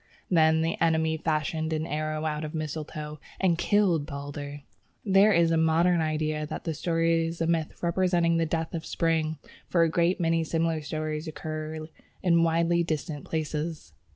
Then the enemy fashioned an arrow out of the mistletoe, and killed Balder. There is a modern idea that the story is a myth representing the death of Spring, for a great many similar stories occur in widely distant places.